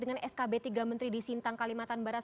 dengan skb tiga menteri di sintang kalimantan barat